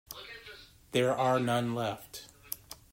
There are none left.